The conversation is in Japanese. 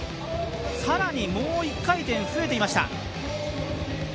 さらにもう１回転増えていました。